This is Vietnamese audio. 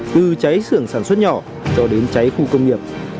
từ cháy xưởng sản xuất nhỏ cho đến cháy khu công nghiệp